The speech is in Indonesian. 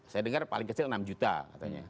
saya dengar paling kecil enam juta katanya